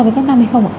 kết năng hay không ạ